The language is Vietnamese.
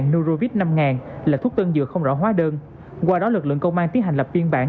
norvis năm là thuốc tân dược không rõ hóa đơn qua đó lực lượng công an tiến hành lập biên bản